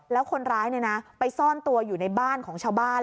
แล้วคนร้ายไปซ่อนตัวอยู่ในบ้านของชาวบ้าน